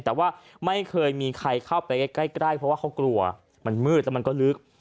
แต่ว่าไม่เคยมีใครเข้าไปใกล้เพราะว่าเขากลัวมันมืดแล้วมันก็ลึก